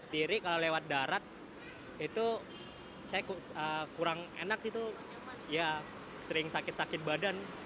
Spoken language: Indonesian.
tiri kalau lewat darat itu saya kurang enak itu ya sering sakit sakit badan